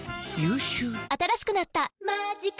新しくなった「マジカ」